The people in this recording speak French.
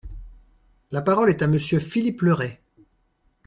La parole est à Monsieur Philippe Le Ray.